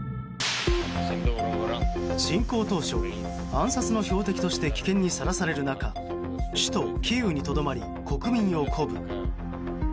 侵攻当初、暗殺の標的として危険にさらされる中首都キーウにとどまり国民を鼓舞。